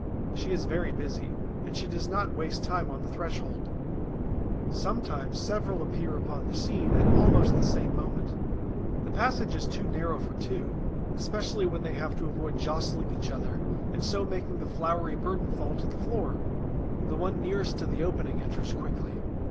She is very busy, and she does not waste time on the threshold. Sometimes several appear upon the scene at almost the same moment. The passage is too narrow for two, especially when they have to avoid jostling each other and so making the floury burden fall to the floor. The one nearest to the opening enters quickly.